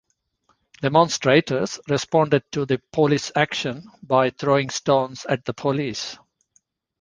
Demonstrators responded to the police's actions by throwing stones at the police.